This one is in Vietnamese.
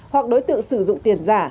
hoặc đối tượng sử dụng tiền giả